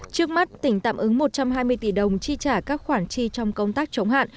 trước mắt tỉnh tạm ứng một trăm hai mươi tỷ đồng chi trả các khoản chi trong công tác chống hạn